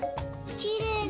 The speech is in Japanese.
きれいだ。